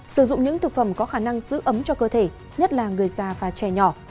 sử dụng những thực phẩm có khả năng giữ ấm cho cơ thể nhất là người già và trẻ nhỏ